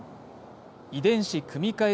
遺伝子組み換え